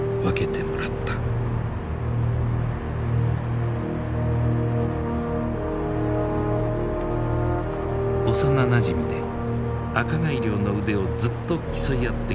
幼なじみで赤貝漁の腕をずっと競い合ってきた吉男さん。